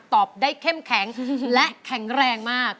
ตอบได้เข้มแข็งและแข็งแรงมาก